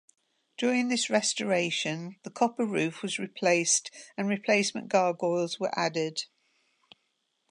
During this restoration, the copper roof was replaced and replacement gargoyles were added.